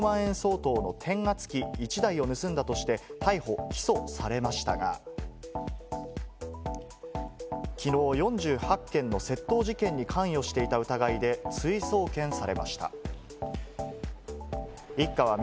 ３人はことし３月、熊谷市の工事現場から時価１５万円相当の転圧機１台を盗んだとして逮捕・起訴されましたが、きのう４８件の窃盗事件に関与していた疑いで追送検されました。